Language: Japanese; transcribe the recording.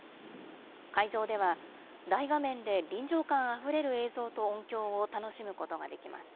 会場では、大画面で臨場感あふれる映像と音響を楽しむことができます。